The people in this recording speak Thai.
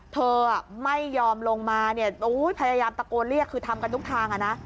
เธอไม่ยอมลงมาพยายามตะโกนเรียกคือทำกันทุกทาง